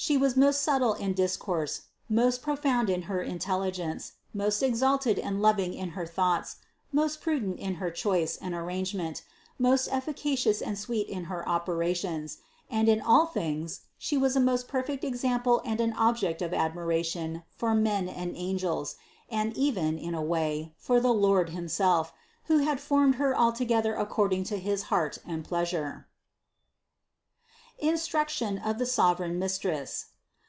She was most subtile in discourse, most profound in her intelligence, most exalted and lov ing in her thoughts, most prudent in her choice and ar rangement, most efficacious and sweet in her operations, and in all things She was a most perfect example and an object of admiration for men and angels, and even, in a way, for the Lord himself, who had formed Her altogeth er according to his heart and pleasure. INSTRUCTION OF THE SOVEREIGN MISTRESS.